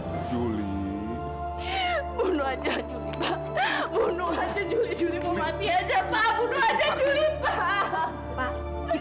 bunuh aja juli pak bunuh aja juli juli mau mati aja pak bunuh aja juli pak